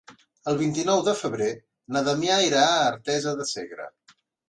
El vint-i-nou de febrer na Damià irà a Artesa de Segre.